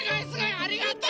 ありがとう！